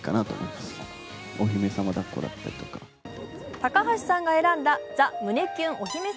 高橋さんが選んだザ・胸キュンお姫様